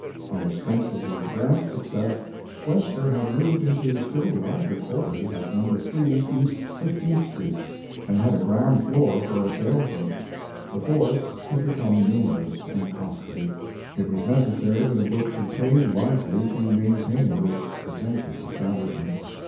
On the strength of the Grant success Webster had moved into still larger quarters at No. 3 East Fifteenth Street, and had a ground floor for a salesroom. The force had become numerous and costly. It was necessary that a book should pay largely to maintain this pretentious establishment.